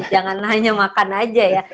jangan hanya makan aja ya